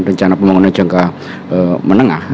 rencana pembangunan jangka menengah